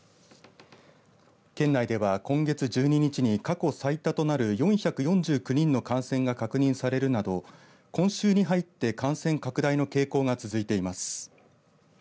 県内では今月１２日に過去最多となる４４９人の感染が確認されるなど今週に入って感染拡大の傾向が続いています。